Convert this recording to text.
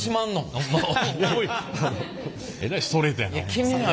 えらいストレートやな！